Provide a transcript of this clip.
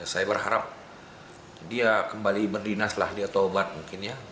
saya berharap dia kembali berdinas lah dia taubat mungkin ya